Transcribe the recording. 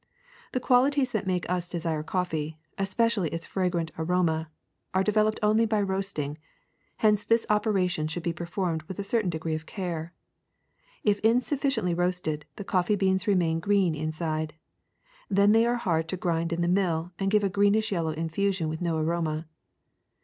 The qualities that make us desire coffee, especially its fragrant aroma, are de veloped only by roasting ; hence this operation should be performed with a certain degree of care. If in sufficiently roasted, the coffee beans remain green in side ; then they are hard to grind in the mill and give a greenish yellow infusion with no aroma.